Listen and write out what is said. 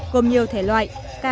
gồm nhiều thể loại